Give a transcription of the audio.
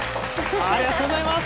ありがとうございます！